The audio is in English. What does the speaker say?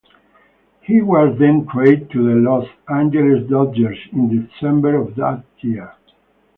He was then traded to the Los Angeles Dodgers in December of that year.